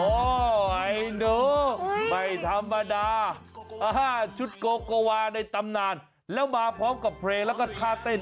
ไอโนไม่ธรรมดาชุดโกโกวาในตำนานแล้วมาพร้อมกับเพลงแล้วก็ท่าเต้น